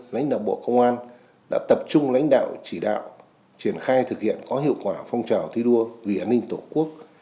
lãnh đạo bộ công an đã tập trung lãnh đạo chỉ đạo triển khai thực hiện có hiệu quả phong trào thi đua vì an ninh tổ quốc